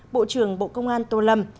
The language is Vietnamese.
bộ trưởng bộ công an tô lâm